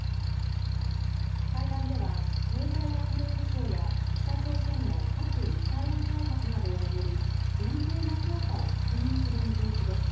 会談では、経済安全保障や北朝鮮の核・ミサイル開発などを巡り連携の強化を確認する見通しです。